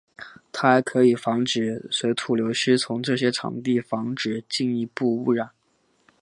它还可以防止水土流失从这些场地防止进一步污染。